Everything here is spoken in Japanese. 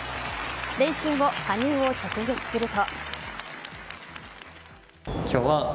練習後、羽生を直撃すると。